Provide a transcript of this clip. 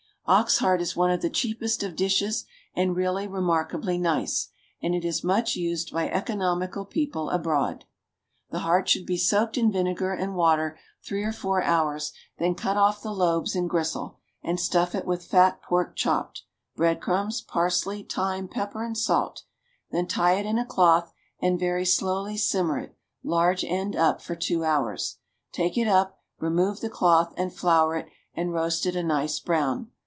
Ox heart is one of the cheapest of dishes, and really remarkably nice, and it is much used by economical people abroad. The heart should be soaked in vinegar and water three or four hours, then cut off the lobes and gristle, and stuff it with fat pork chopped, bread crumbs, parsley, thyme, pepper, and salt; then tie it in a cloth and very slowly simmer it (large end up) for two hours; take it up, remove the cloth, and flour it, and roast it a nice brown.